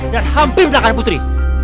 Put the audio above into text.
dan hampir menangkan putri